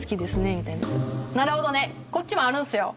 みたいに言ったら「なるほどねこっちもあるんすよ」。